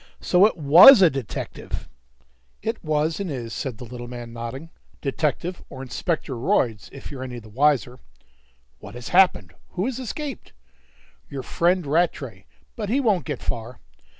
"So it was a detective!" "It was and is," said the little man, nodding. "Detective or Inspector Royds, if you're any the wiser. "What has happened? Who has escaped?" "Your friend Rattray; but he won't get far."